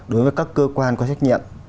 đối với các cơ quan có trách nhiệm